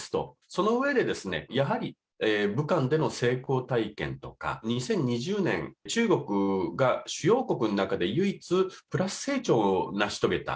その上で、やはり武漢での成功体験とか、２０２０年、中国が主要国の中で唯一、プラス成長を成し遂げた。